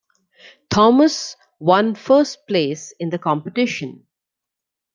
Thomas one first place in the competition.